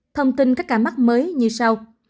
thông tin các ca mắc mới như sau